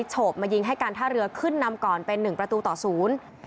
โฉบมายิงให้การท่าเรือขึ้นนำก่อนเป็นหนึ่งประตูต่อศูนย์